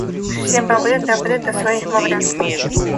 Все бобры добры до своих бобрят.